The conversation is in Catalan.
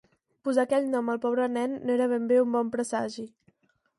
Posar aquell nom al pobre nen no era ben bé un bon presagi.